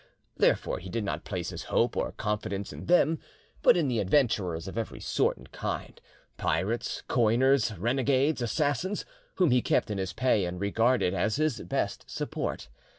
Therefore he did not place his hope or confidence in them, but in the adventurers of every sort and kind, pirates, coiners, renegades, assassins, whom he kept in his pay and regarded as his best support.